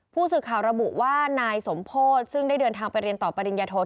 ผู้สื่อข่าวระบุว่านายสมโพธิซึ่งได้เดินทางไปเรียนต่อปริญญโท